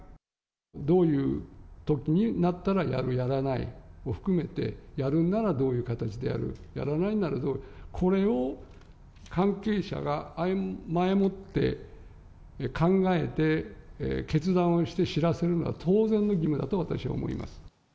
どういうときになったらやるやらないを含めて、やるんならどういう形でやる、やらないならどう、これを関係者が前もって考えて、決断をして知らせるのは当然の義務だと、私は思います。